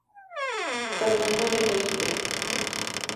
Fernando de Felipe.